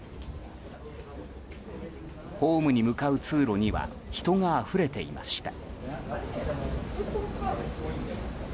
ホームに向かう通路には人があふれていました。